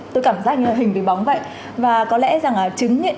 tôi cảm giác như là hình từ bóng vậy và có lẽ rằng là chứng nghiện